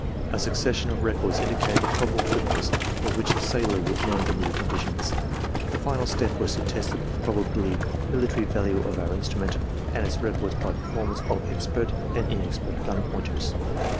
A succession of records in dicated the probable quickness with which the sailor would learn the new coordinations. The final step was to test the probably military value of our instrument and its records by performances of expert and inexpert gun pointers.